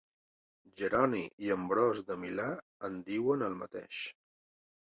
Jeroni i Ambròs de Milà en diuen el mateix.